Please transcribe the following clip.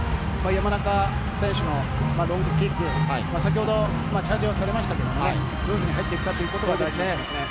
山中選手のロングキック、先ほどチャージはされましたけれども、どういうふうに入っていくかということが大事ですね。